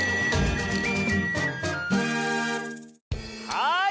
はい！